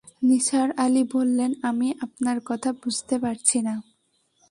নিসার আলি বললেন, আমি আপনার কথা বুঝতে পারছি না।